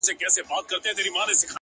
ځم د روح په هر رگ کي خندا کومه!